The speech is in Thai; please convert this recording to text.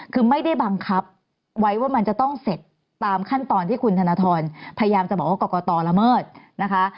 คือไม่ได้บังคับไว้ว่ามันจะต้องเสร็จตามขั้นตอนที่คุณธนทรพยายามจะบอกว่ากรกตละเมิดนะคะ